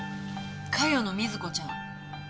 茅野瑞子ちゃん。